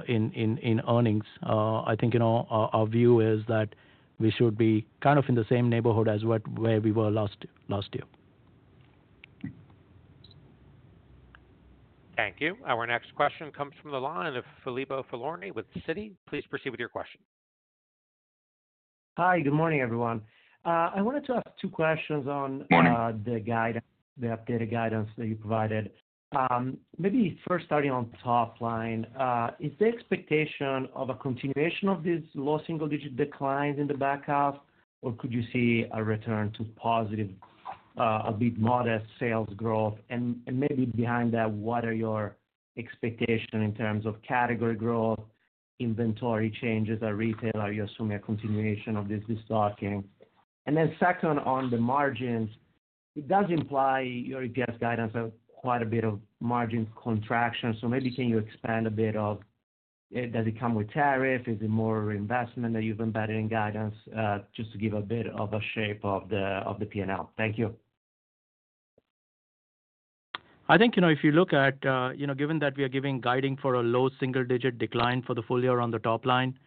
in earnings, our view is that we should be kind of in the same neighborhood as where we were last year. Thank you. Our next question comes from the line of Filippo Falorni with Citi. Please proceed with your question. Hi, good morning, everyone. I wanted to ask two questions on the guidance, the updated guidance that you provided. Maybe first starting on top line, is the expectation of a continuation of these low single-digit declines in the back half, or could you see a return to positive, a bit modest sales growth? Maybe behind that, what are your expectations in terms of category growth, inventory changes at retail? Are you assuming a continuation of this restocking? Second, on the margins, it does imply your EPS guidance, quite a bit of margin contraction. Maybe can you expand a bit of, does it come with tariffs? Is it more reinvestment that you've embedded in guidance, just to give a bit of a shape of the P&L? Thank you. I think if you look at, given that we are guiding for a low single-digit decline for the full year on the top line,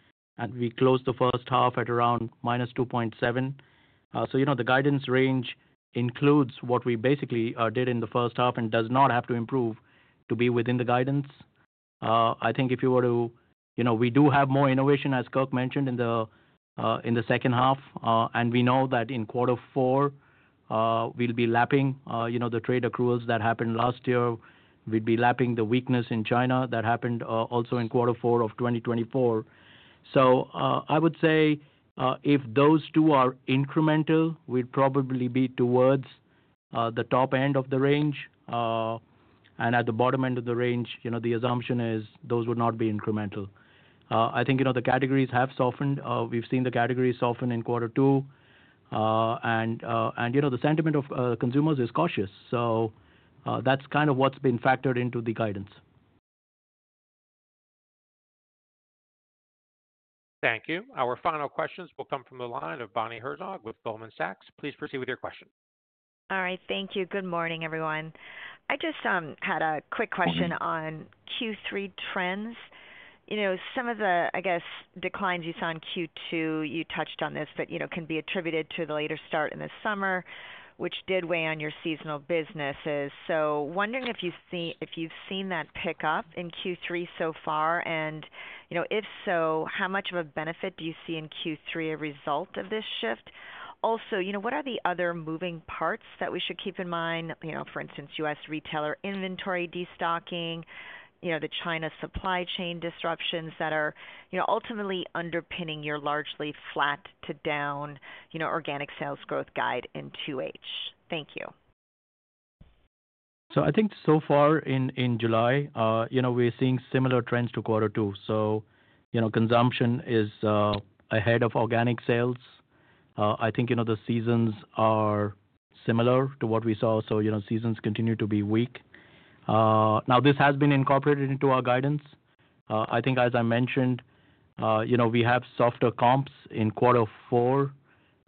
and we closed the first half at around -2.7%. The guidance range includes what we basically did in the first half and does not have to improve to be within the guidance. I think we do have more innovation, as Kirk Perry mentioned, in the second half, and we know that in quarter four, we'll be lapping the trade accruals that happened last year. We'd be lapping the weakness in China that happened also in quarter four of 2024. I would say if those two are incremental, we'd probably be towards the top end of the range. At the bottom end of the range, the assumption is those would not be incremental. I think the categories have softened. We've seen the categories soften in quarter two, and the sentiment of consumers is cautious. That's kind of what's been factored into the guidance. Thank you. Our final questions will come from the line of Bonnie Herzog with Goldman Sachs. Please proceed with your question. All right, thank you. Good morning, everyone. I just had a quick question on Q3 trends. Some of the declines you saw in Q2, you touched on this, can be attributed to the later start in the summer, which did weigh on your seasonal businesses. I'm wondering if you've seen that pickup in Q3 so far, and if so, how much of a benefit do you see in Q3 as a result of this shift? Also, what are the other moving parts that we should keep in mind? For instance, U.S. retailer inventory destocking, the China supply chain disruptions that are ultimately underpinning your largely flat to down organic sales growth guide in 2H. Thank you. I think so far in July, we're seeing similar trends to quarter two. Consumption is ahead of organic sales. I think the seasons are similar to what we saw, so seasons continue to be weak. This has been incorporated into our guidance. I think, as I mentioned, we have softer comps in quarter four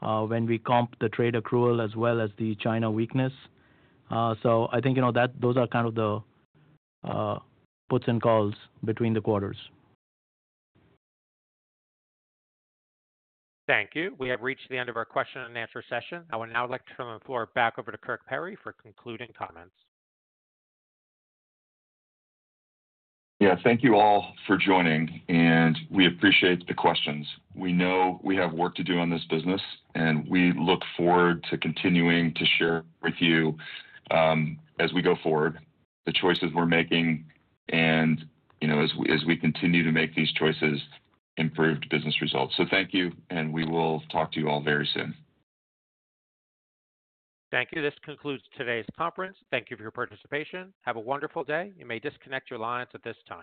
when we comp the trade accrual as well as the China weakness. I think those are kind of the puts and calls between the quarters. Thank you. We have reached the end of our question and answer session. I would now like to turn the floor back over to Kirk Perry for concluding comments. Thank you all for joining, and we appreciate the questions. We know we have work to do on this business, and we look forward to continuing to share with you as we go forward, the choices we're making, and as we continue to make these choices, improved business results. Thank you, and we will talk to you all very soon. Thank you. This concludes today's conference. Thank you for your participation. Have a wonderful day. You may disconnect your lines at this time.